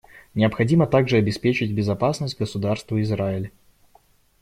Необходимо также обеспечить безопасность Государства Израиль.